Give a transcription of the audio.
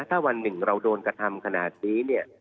ถ้าวันหนึ่งเราโดนกระทำขณะนี้